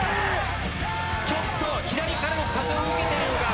ちょっと左からの風を受けているのが。